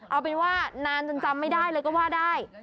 เอาเป็นว่านานจนจำไม่ได้เลยก็ว่าได้